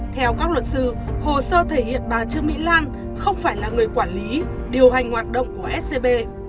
theo các luật sư hồ sơ thể hiện bà trương mỹ lan không phải là người quản lý điều hành hoạt động của scb